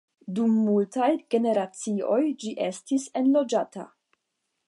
Dum multaj generacioj ĝi estis enloĝata.